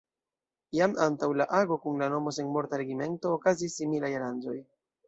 Jam antaŭ la ago kun la nomo „Senmorta regimento” okazis similaj aranĝoj.